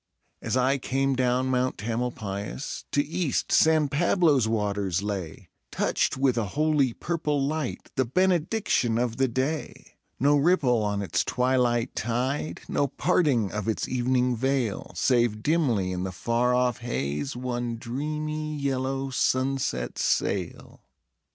As I came down Mount Tamalpais To east San Pablo's water lay, Touched with a holy purple light, The benediction of the day; No ripple on its twilight tide, No parting of its evening veil, Save dimly in the far off haze One dreamy, yellow sunset sail.